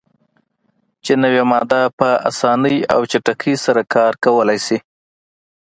چې نوی ماده "په اسانۍ او چټکۍ سره کار کولای شي.